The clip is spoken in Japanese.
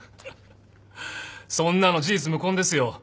そんなの事実無根ですよ。